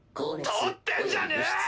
撮ってんじゃねぇ！